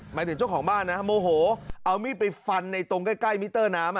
หมายถึงเจ้าของบ้านนะโมโหเอามีดไปฟันในตรงใกล้มิเตอร์น้ำ